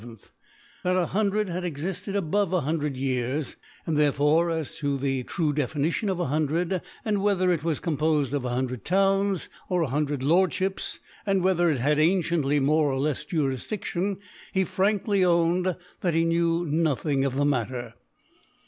* That a Huftdrtd had cxifted above a hun * dred Years j and therefore, as to the true * Definiiion of a Hundred, and whether it * was compofed of a hundred Towns, or a * hundred Lordftiips, and whether it had * anciently more or lefs Jurifdiftion, he * frankly owned that he knew nothing of * the Matter*.